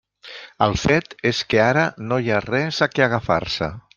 El fet és que ara no hi ha res a què agafar-se.